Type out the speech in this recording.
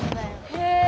へえ！